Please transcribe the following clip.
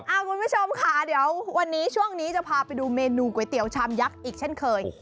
คุณผู้ชมค่ะเดี๋ยววันนี้ช่วงนี้จะพาไปดูเมนูก๋วยเตี๋ยวชามยักษ์อีกเช่นเคย